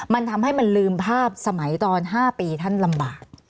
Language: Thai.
มันทำให้มันลืมภาพสมัยตอน๕ปีท่านลำบาก